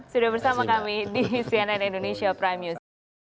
sudah bersama kami di cnn indonesia prime news